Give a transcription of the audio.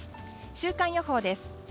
週間予報です。